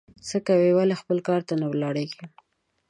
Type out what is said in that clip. څه کوې ؟ ولي خپل کار ته نه ولاړېږې؟